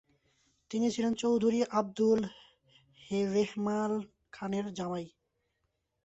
তিনি ছিলেন চৌধুরী আবদুল রেহমান খানের জামাই।